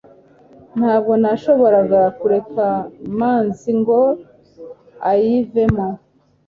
Ntabwo nashoboraga kureka manzi ngo ayiveho